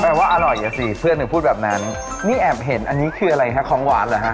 ว่าอร่อยอ่ะสิเพื่อนถึงพูดแบบนั้นนี่แอบเห็นอันนี้คืออะไรฮะของหวานเหรอฮะ